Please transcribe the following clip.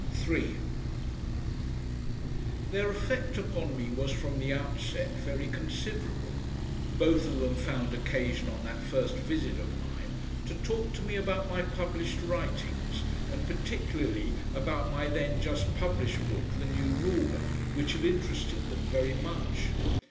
3 Their effect upon me was from the outset very considerable. Both of them found occasion on that first visit of mine to talk to me about my published writings and particularly about my then just published book THE NEW RULER, which had interested them very much.